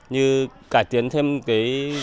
như cải tiến thêm cái